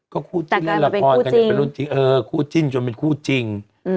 ก็คู่จิ้นแล้วละครกันให้เป็นรุ่นจริงเออคู่จิ้นจนเป็นคู่จริง